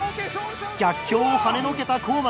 逆境をはねのけたこーま。